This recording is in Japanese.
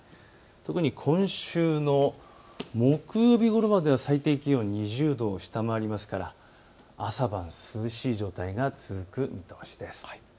特に今週の木曜日ごろまでは最低気温２０度を下回りますから朝晩涼しい状態が続く見通しです。